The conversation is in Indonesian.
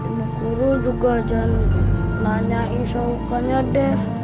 ibu guru juga jangan nanya soalnya dep